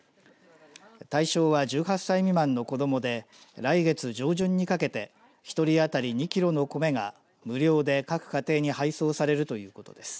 対象は１８歳未満の子どもで来月上旬にかけて１人当たり２キロの米が無料で各家庭に配送されるということです。